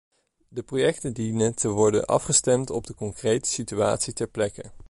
De projecten dienen te worden afgestemd op de concrete situatie ter plekke.